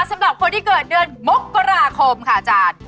สำหรับคนที่เกิดเดือนมกราคมค่ะอาจารย์